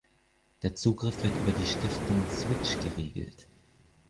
Der Zugriff wird über die Stiftung Switch geregelt.